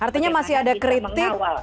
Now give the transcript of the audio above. artinya masih ada kritik